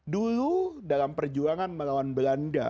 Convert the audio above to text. dulu dalam perjuangan melawan belanda